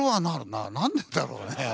なんでだろうね？